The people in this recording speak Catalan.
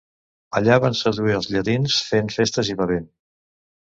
Allà van seduir els llatins fent festes i bevent.